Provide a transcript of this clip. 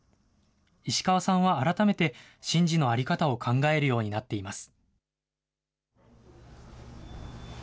石川さんは改めて神事の在り方を考えるようになっています。